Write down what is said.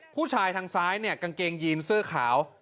ผู้ชายทางซ้ายกางเกงยีนเสื้อขาว